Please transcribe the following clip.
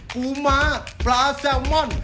ปูมะปลาแซลมอน